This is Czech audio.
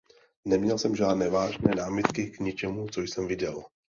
Neměl jsem žádné vážné námitky k ničemu, co jsem viděl.